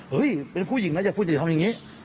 เฮ้ยเป็นผู้หญิงนะอย่าพูดอย่าทำอย่างนี้